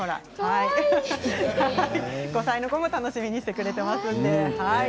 ５歳の子も楽しみにしてくれています。